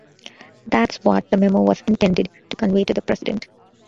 That's what the memo was intended to convey to the President.